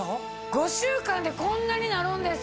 ５週間でこんなになるんですか？